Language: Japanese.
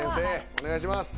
お願いします